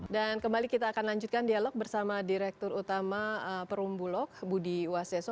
dan kembali kita akan lanjutkan dialog bersama direktur utama perum bulog budi wasyeso